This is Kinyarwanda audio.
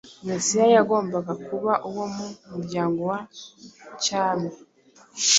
Mesiya yagombaga kuba uwo mu muryango wa cyami